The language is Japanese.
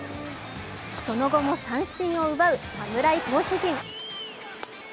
その後も三振を奪う侍投手陣。